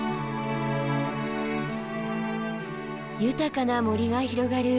豊かな森が広がる